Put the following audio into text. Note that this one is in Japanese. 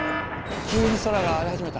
急に空が荒れ始めた。